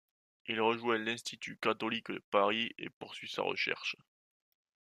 Il rejoint l’Institut catholique de Paris et poursuit sa recherche.